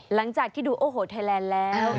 หลังจากที่ดูโอ้โหไทยแลนด์แล้ว